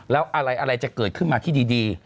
แล้วอะไรจะเกิดขึ้นมาที่ดี